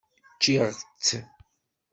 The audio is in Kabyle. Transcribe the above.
Ččiɣ-tt.